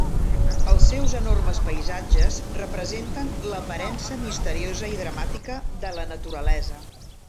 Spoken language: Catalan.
Els seus enormes paisatges representen l'aparença misteriosa i dramàtica de la naturalesa.